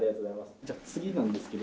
じゃあ次なんですけど。